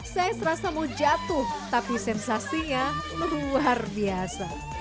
saya serasa mau jatuh tapi sensasinya luar biasa